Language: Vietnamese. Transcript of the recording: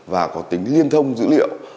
và có tính liên thông dữ liệu